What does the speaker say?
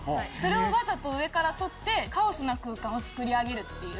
それをわざと上から撮ってカオスな空間をつくり上げる。